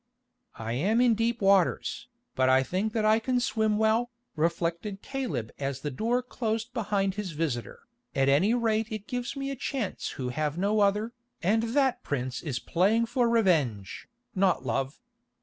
"I am in deep waters, but I think that I can swim well," reflected Caleb as the door closed behind his visitor. "At any rate it gives me a chance who have no other, and that prince is playing for revenge, not love.